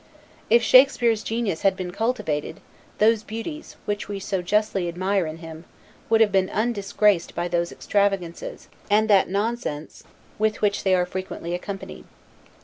If Shakespeare's genius had been cultivated, those beauties, which we so justly admire in him, would have been undisgraced by those extravagancies, and that nonsense, with which they are frequently accompanied.